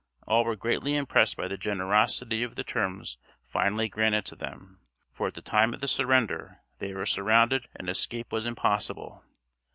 All were greatly impressed by the generosity of the terms finally granted to them, for at the time of the surrender they were surrounded and escape was impossible.